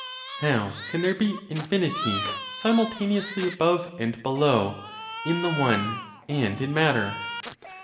How can there be infinity simultaneously above and below (in the One and in matter)?